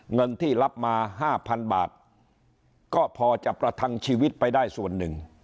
เงินที่รับมา๕๐๐๐บาทก็พอจะประทังชีวิตไปได้ส่วนหนึ่ง